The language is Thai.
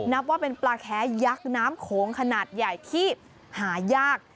นับว่าเป็นปลาแค้ยักษ์น้ำโขงขนาดใหญ่ที่หายาก